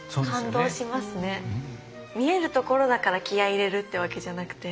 見えるところだから気合い入れるっていうわけじゃなくて。